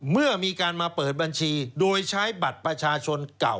เมื่อมีการมาเปิดบัญชีโดยใช้บัตรประชาชนเก่า